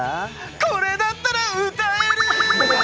これだったら歌える！